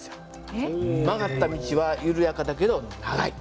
曲がった道は緩やかだけど長い。